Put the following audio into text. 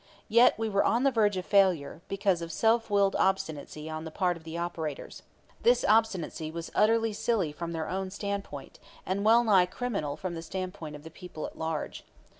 Yet we were on the verge of failure, because of self willed obstinacy on the part of the operators. This obstinacy was utterly silly from their own standpoint, and well nigh criminal from the standpoint of the people at large.